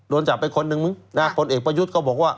โดนจับไปคนนึงมึงนะผลเอกประยุทธ์ก็บอกว่า